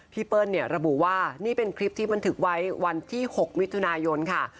เปิ้ลเนี่ยระบุว่านี่เป็นคลิปที่บันทึกไว้วันที่๖มิถุนายนค่ะ